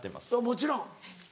もちろん。